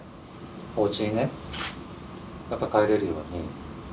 おうちにね帰れるように。